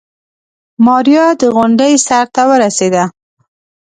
ماريا د غونډۍ سر ته ورسېده.